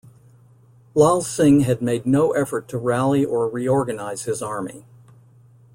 Lal Singh had made no effort to rally or reorganise his army.